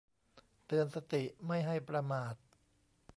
เตือนสติไม่ให้ประมาท